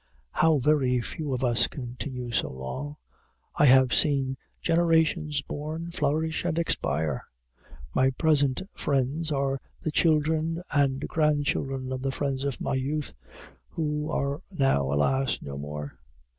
How very few of us continue so long! I have seen generations born, flourish, and expire. My present friends are the children and grandchildren of the friends of my youth, who are now, alas, no more!